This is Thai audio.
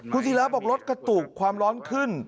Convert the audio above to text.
คุณศิราบอกรถกระตุกความร้อนขึ้น